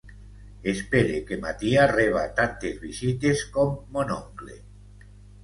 Espere que ma tia reba tantes visites com mon oncle.